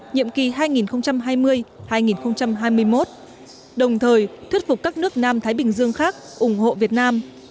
nhiệm kỳ hai nghìn hai mươi hai nghìn hai mươi một đồng thời thuyết phục các nước nam thái bình dương khác ủng hộ việt nam